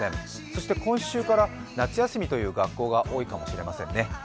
そして今週から夏休みという学校が多いかもしれませんね。